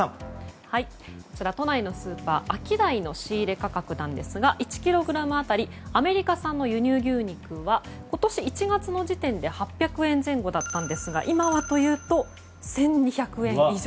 こちら都内のスーパーアキダイの仕入れ価格なんですが１ｋｇ当たりアメリカ産の輸入牛肉は今年１月の時点で８００円前後だったんですが今はというと、１２００円以上。